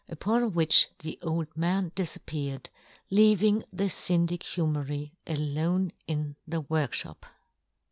Upon which the old man difappeared, leaving the Syndic Humery alone in the work fhop.